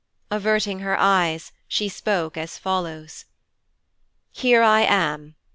Averting her eyes, she spoke as follows: 'Here I am.